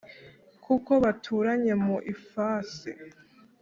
Kuko baturanye mu ifasi